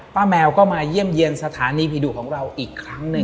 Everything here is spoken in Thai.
แมวก็มาเยี่ยมเยี่ยมสถานีผีดุของเราอีกครั้งหนึ่ง